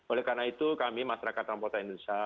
oleh karena itu kami masyarakat transportasi indonesia